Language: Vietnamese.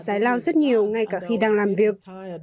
tôi đã giải lao rất nhiều ngay cả khi đang làm việc